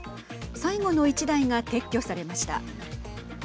最後の１台が撤去されました。